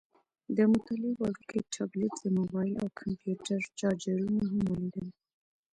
د مطالعې وړوکی ټابلیټ، د موبایل او کمپیوټر چارجرونه هم ولیدل.